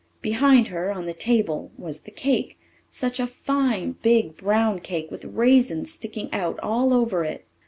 Behind her, on the table, was the cake such a fine, big, brown cake, with raisins sticking out all over it!